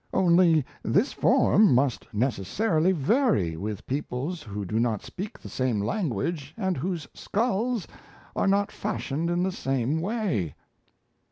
Only, this form must necessarily vary with peoples who do not speak the same language and whose skulls are not fashioned in the same way."